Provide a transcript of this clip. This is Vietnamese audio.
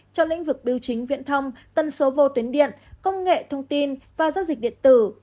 cho lĩnh vực biểu chính viện thông tần số vô tuyến điện công nghệ thông tin và giác dịch điện tử